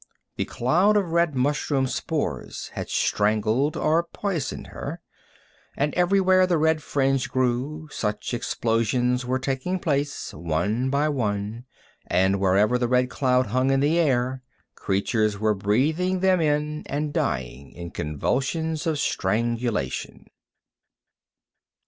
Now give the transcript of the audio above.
The cloud of red mushroom spores had strangled or poisoned her. And everywhere the red fringe grew, such explosions were taking place, one by one, and wherever the red clouds hung in the air creatures were breathing them in and dying in convulsions of strangulation.